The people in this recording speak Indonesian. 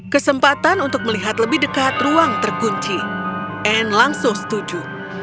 kesempatan untuk melihat lebih dekat ruang terkunci anne langsung setuju